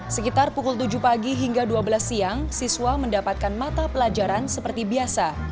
sekitar pukul tujuh pagi hingga dua belas siang siswa mendapatkan mata pelajaran seperti biasa